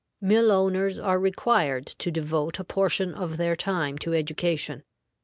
Mill owners are required to devote a portion of their time to education.